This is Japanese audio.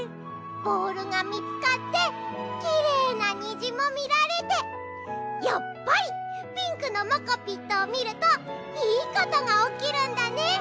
ボールがみつかってきれいなにじもみられてやっぱりピンクのモコピットをみるといいことがおきるんだね。